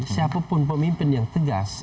siapapun pemimpin yang tegas